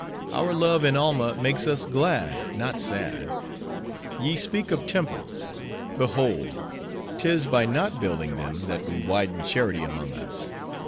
Our love in Alma makes us glad, not sad. Ye speak of temples;—behold! 'tis by not building them, that we widen charity among us.